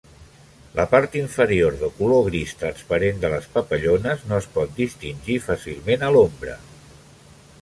La part inferior de color gris transparent de les papallones no es pot distingir fàcilment a l"ombra.